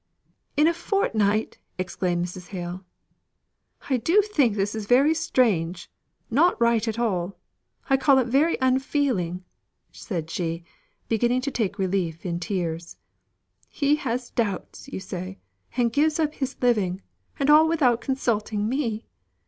"In a fortnight!" exclaimed Mrs. Hale, "I do think this is very strange not at all right. I call it very unfeeling," said she, beginning to take relief in tears. "He has doubts you say, and gives up his living, and all without consulting me.